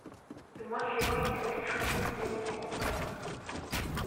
Le mois suivant, il est sacré champion d'Italie du contre-la-montre.